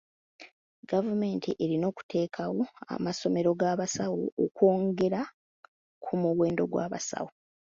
Gavumenti erina okuteekawo amasomero g'abasawo okwongera ku muwendo gw'abasawo.